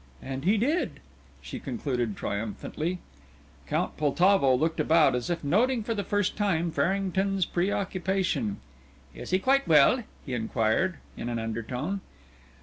And he did!" she concluded triumphantly. Count Poltavo looked about, as if noting for the first time Farrington's preoccupation. "Is he quite well?" he inquired, in an undertone.